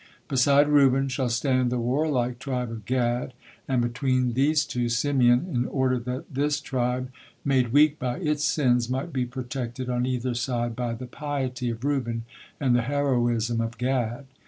Beside Reuben shall stand the warlike tribe of Gad, and between these two Simeon, in order that this tribe, made weak by its sins, might be protected on either side by the piety of Reuben and the heroism of Gad.